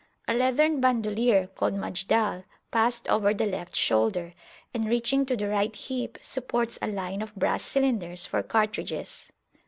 A leathern bandoleer, called Majdal, passed over the left shoulder, and reaching to the right hip, supports a line of brass cylinders for cartridges.